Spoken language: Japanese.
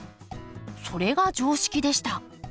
それが常識でした。